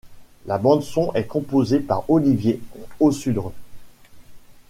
La bande son est composée par Olivier Aussudre.